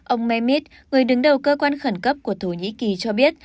ông memit người đứng đầu cơ quan khẩn cấp của thổ nhĩ kỳ cho biết